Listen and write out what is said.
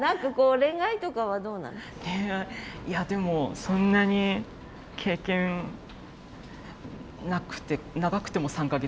恋愛いやでもそんなに経験なくて長くて３か月！